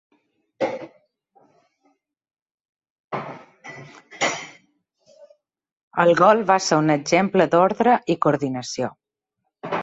El gol va ser un exemple d’ordre i coordinació.